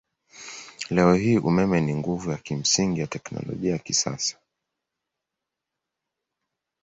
Leo hii umeme ni nguvu ya kimsingi wa teknolojia ya kisasa.